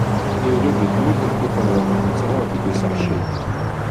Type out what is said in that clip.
Ilul deg tmurt n lpiṭrul netta ur t-id-iṣaḥ ci.